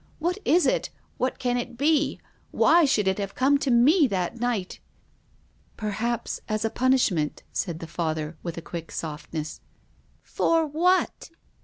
What is it ? What can it be ? Why should it have come to me that night ?"" Perhaps as a punishment," said the Father, with a quick softness. "For what?"